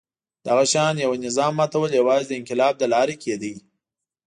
دغه شان یوه نظام ماتول یوازې د انقلاب له لارې کېده.